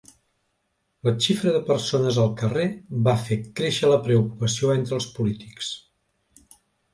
La xifra de persones al carrer ha fet créixer la preocupació entre els polítics.